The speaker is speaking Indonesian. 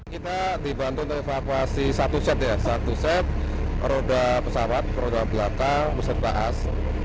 kita dibantu untuk evakuasi satu set ya satu set roda pesawat roda belakang beserta as